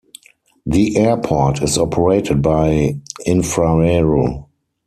The airport is operated by Infraero.